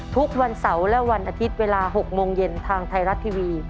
ทุกวันเสาร์และวันอาทิตย์เวลา๖โมงเย็นทางไทยรัฐทีวี